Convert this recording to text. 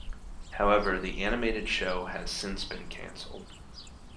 However, the animated show has since been cancelled.